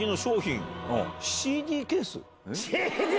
ＣＤケース⁉